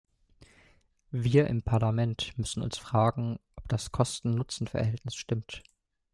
Wir im Parlament müssen uns fragen, ob das Kosten-Nutzen-Verhältnis stimmt.